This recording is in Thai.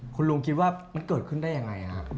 คุณลุงคิดว่ามันเกิดขึ้นได้ยังไงครับ